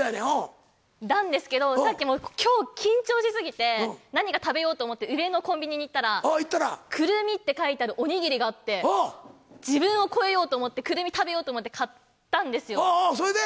なんですけど、さっき、きょう緊張しすぎて、何か食べようと思って、上のコンビニに行ったら、くるみって書いてあるお握りがあって、自分を超えようと思って、くるみ食べようと思って、それで？